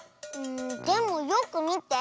でもよくみて。